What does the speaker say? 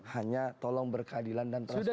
hanya tolong berkeadilan dan terus berkeadilan